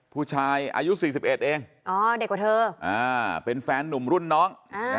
ผู้ชายอายุ๔๑เอง